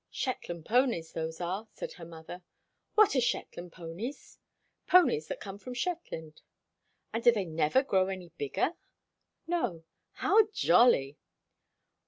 "Shetland ponies, those are," said her mother. "What are Shetland ponies?" "Ponies that come from Shetland." "And do they never grow any bigger?" "No." "How jolly!"